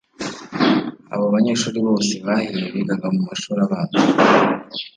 Abo banyeshuri bose bahiye bigaga mu mashuri abanza